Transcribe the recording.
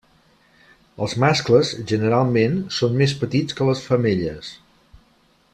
Els mascles generalment són més petits que les femelles.